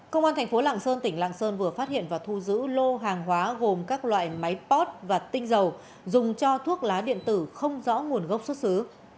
công an thành phố lạng sơn tỉnh lạng sơn vừa phát hiện và thu giữ lô hàng hóa gồm các loại máy pot và tinh dầu dùng cho thuốc lá điện tử không rõ nguồn gốc xuất xứ